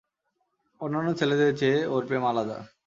অন্যান্য ছেলেদের চেয়ে ওর প্রেম আলাদা!